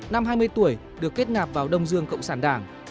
năm hai mươi tuổi được kết nạp vào đông dương cộng sản đảng